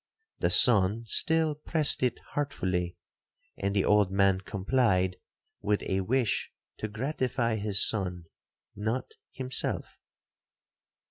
The son still pressed it heartfully, and the old man complied with a wish to gratify his son, not himself.